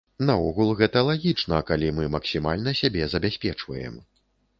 Наогул, гэта лагічна, калі мы максімальна сябе забяспечваем.